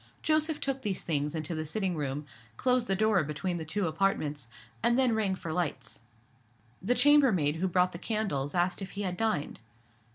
Joseph took these things into the sitting room, closed the door between the two apartments, and then rang for lights. The chambermaid who brought the candles asked if he had dined.